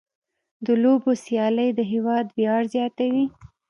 د لوبو سیالۍ د هېواد ویاړ زیاتوي.